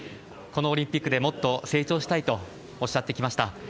このオリンピックでもっと成長したいとおっしゃってきました。